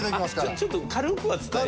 ちょっと軽くは伝えて。